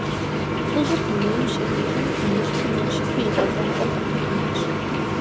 Лӏыжьыр дунейм щехыжым, и мылъкур зэрыщыту и къуэ закъуэм къыхуигъэнащ.